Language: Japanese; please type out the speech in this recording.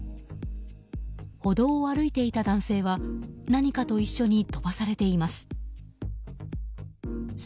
歩道を歩いていた男性は何かと一緒に飛ばされています。